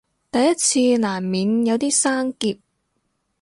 第一次難免有啲生澀